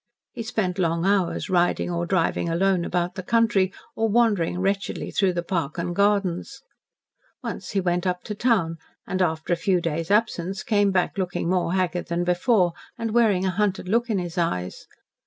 He spent long hours riding or driving alone about the country or wandering wretchedly through the Park and gardens. Once he went up to town, and, after a few days' absence, came back looking more haggard than before, and wearing a hunted look in his eyes.